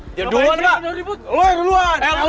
kayak anak kecil aja yo